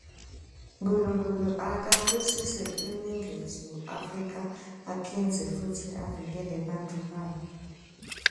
Nkulunkulu akabusise iNingizimu Afrika aphindze futsi avikele bantfu bayo.